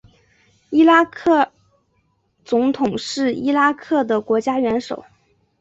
伊拉克总统是伊拉克的国家元首。